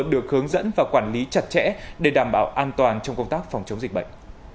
được hướng dẫn và quản lý chặt chẽ để đảm bảo an toàn trong công tác phòng chống dịch bệnh